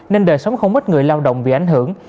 nên đời sống không ít người lao động bị ảnh hưởng